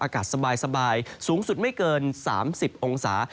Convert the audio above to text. อากาศสบายสูงสุดไม่เกิน๓๐องศา